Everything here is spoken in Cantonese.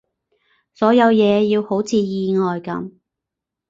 所有嘢要好似意外噉